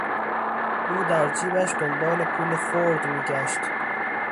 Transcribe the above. او در جیبش دنبال پول خرد میگشت.